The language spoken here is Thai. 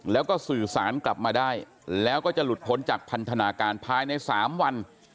แล้วก็สื่อสารกลับมาได้แล้วก็จะหลุดพ้นจากพันธนาการภายใน๓วัน